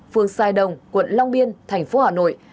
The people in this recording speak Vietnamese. phường sai đồng quận long biên thành phố hà nội